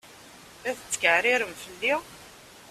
La tetkeɛrirem fell-i?